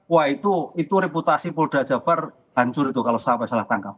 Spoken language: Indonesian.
wah itu reputasi polda jabar hancur itu kalau sampai salah tangkap